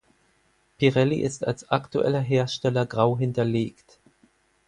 Pirelli ist als aktueller Hersteller grau hinterlegt.